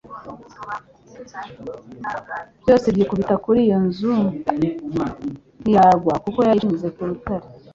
byose byikubita kuri iyo nzu ntiyagwa Kuko yari ishinze ku rutare.»